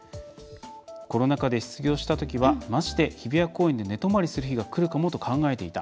「コロナ禍で失業したときはマジで日比谷公園で寝泊まりする日が来るかも、と考えていた。